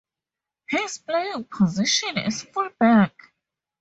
His playing position is fullback.